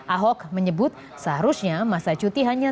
ahok menyebut seharusnya masa cuti hanya